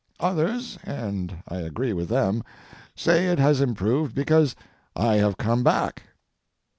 Others, and I agree with them, say it has improved because I have come back.